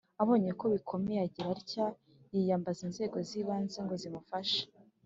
abonye ko bikomeye agira atya yiyambaza inzego zibanze ngo zimufashe